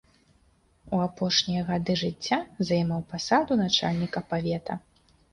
У апошнія гады жыцця займаў пасаду начальніка павета.